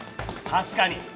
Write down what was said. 確かに！